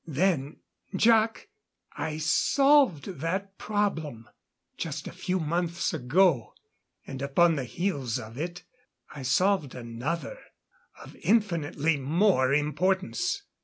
"Then, Jac, I solved that problem just a few months ago. And upon the heels of it I solved another, of infinitely more importance."